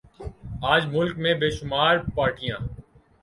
آج ملک میں بے شمار پارٹیاں